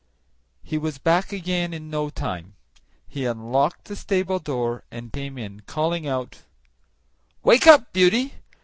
He was back again in no time; he unlocked the stable door, and came in, calling out, "Wake up, Beauty!